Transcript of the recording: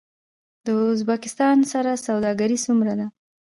د ازبکستان سره سوداګري څومره ده؟